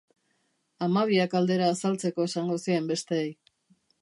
Hamabiak aldera azaltzeko esango zien besteei.